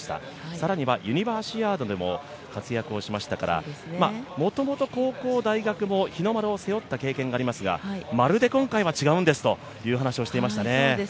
更にはユニバーシアードでも活躍をしましたからもともと高校、大学でも日の丸を背負った経験がありますが、まるで今回は違うんですという話をしていましたね。